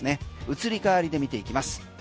移り変わりで見ていきます。